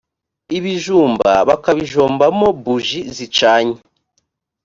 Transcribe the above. ibijumba bakabijombamo buji zicanye